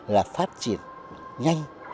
là phát triển nhanh